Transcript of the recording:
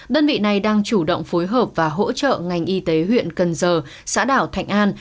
đơn vị này đang chủ động phối hợp và hỗ trợ ngành y tế huyện cần giờ xã đảo thạnh an